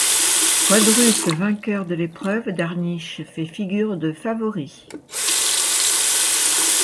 Quadruple vainqueur de l'épreuve, Darniche fait figure de favori.